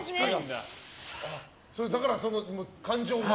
だから、感情が。